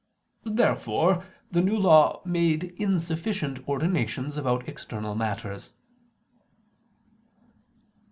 Therefore the New Law made insufficient ordinations about external matters.